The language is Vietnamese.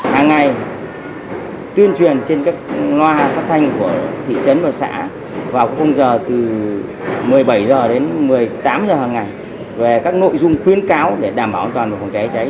hàng ngày tuyên truyền trên các loa phát thanh của thị trấn và xã vào khung giờ từ một mươi bảy h đến một mươi tám h hàng ngày về các nội dung khuyến cáo để đảm bảo an toàn về phòng cháy cháy